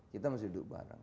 kita mesti duduk bareng